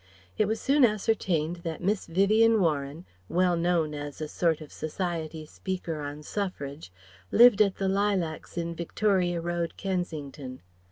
It was soon ascertained that Miss Vivien Warren, well known as a sort of Society speaker on Suffrage, lived at the Lilacs in Victoria Road, Kensington.